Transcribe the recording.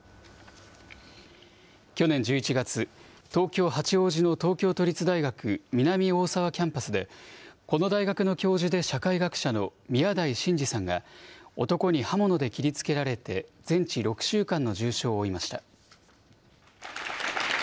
去年１１月、東京・八王子の東京都立大学南大沢キャンパスで、この大学の教授で社会学者の宮台真司さんが、男に刃物で切りつけられて、全治６週間の重傷を負いました。